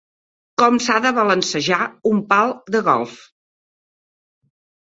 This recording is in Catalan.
Com s'ha de balancejar un pal de golf.